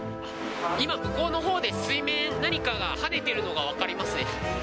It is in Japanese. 今、向こうのほうで水面、何かがはねているのが分かりますね。